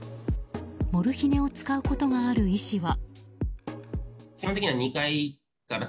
モルヒネを使うことがある医師は。